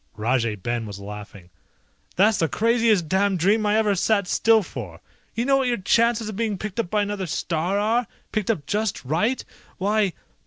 Rajay Ben was laughing. "That's the craziest damned dream I ever sat still for. You know what your chances of being picked up by another star are? Picked up just right? Why